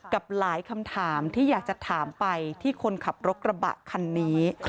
กับหลายคำถามที่อยากจะถามไปที่คนขับรถกระบะคันนี้